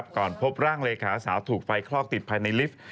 พบร่างเลขาสาวถูกไฟคลอกติดภายในลิฟต์